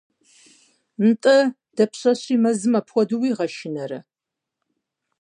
– НтӀэ, дапщэщи мэзым апхуэдэу уигъэшынэрэ?